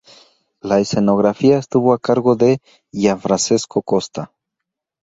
La escenografía estuvo a cargo de Gianfrancesco Costa.